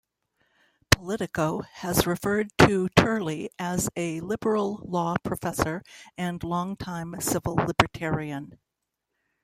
"Politico" has referred to Turley as a "liberal law professor and longtime civil libertarian.